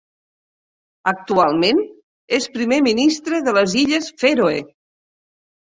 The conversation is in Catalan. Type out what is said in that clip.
Actualment és primer ministre de les Illes Fèroe.